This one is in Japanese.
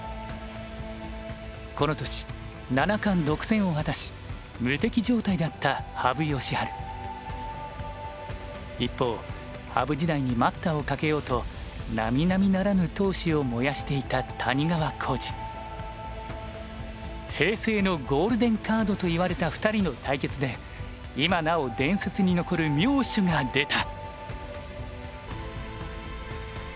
この年七冠独占を果たし無敵状態だった一方羽生時代に待ったをかけようとなみなみならぬ闘志を燃やしていた平成のゴールデンカードといわれた２人の対決で今なお伝説に残る妙手が出た。